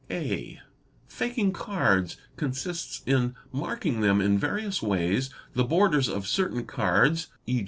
(a) " Faking" cards consists in marking them in various ways: the borders of certain cards, e.